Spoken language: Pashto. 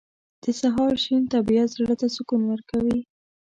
• د سهار شین طبیعت زړه ته سکون ورکوي.